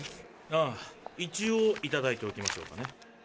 ああ一応いただいておきましょうかね。